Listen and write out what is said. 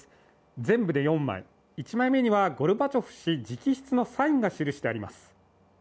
全部で４枚、１枚目にはゴルバチョフ氏直筆のサインが記されています。